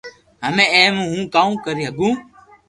ھمي اي مي ھون ڪاو ڪري ھگو